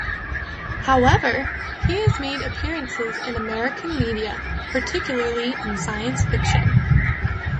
However, he has made appearances in American media; particularly in science fiction.